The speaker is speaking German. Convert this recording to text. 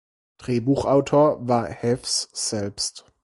Drehbuchautor war Haefs selbst.